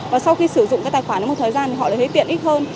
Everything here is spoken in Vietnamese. và sau khi sử dụng cái tài khoản một thời gian thì họ lại thấy tiện ít hơn